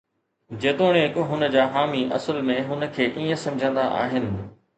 جيتوڻيڪ هن جا حامي اصل ۾ هن کي ائين سمجهندا آهن.